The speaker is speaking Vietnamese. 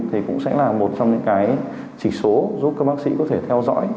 thì cũng sẽ là một trong những cái chỉ số giúp các bác sĩ có thể theo dõi